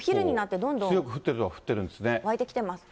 強く降ってるのは降ってるん湧いてきてます。